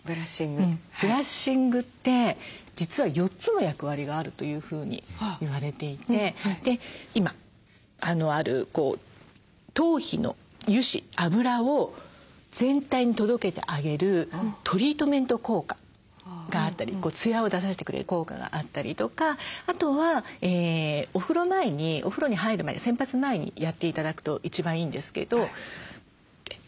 ブラッシングって実は４つの役割があるというふうに言われていて今ある頭皮の油脂脂を全体に届けてあげるトリートメント効果があったりツヤを出させてくれる効果があったりとかあとはお風呂前にお風呂に入る前に洗髪前にやって頂くと一番いいんですけどクレンジング効果。